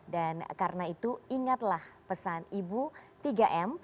dan karena itu ingatlah pesan ibu tiga m